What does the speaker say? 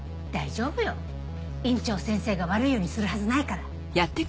大丈夫よ院長先生が悪いようにするはずないから。